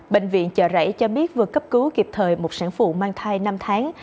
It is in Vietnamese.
bệnh viện chợ rẫy cho biết vừa cấp cứu kịp thời một sản phụ mang thai năm tháng